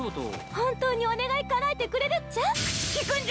本当にお願いかなえてくれるっちゃ？